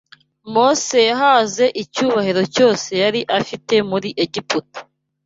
Mose yahaze icyubahiro cyose yari afite muri Egiputa